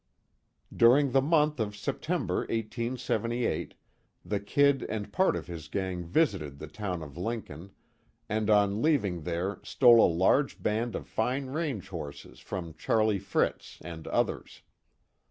During the month of September, 1878, the "Kid" and part of his gang visited the town of Lincoln, and on leaving there stole a large band of fine range horses from Charlie Fritz and others.